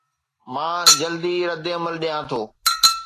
مان جلدي ردعمل ڏيان ٿو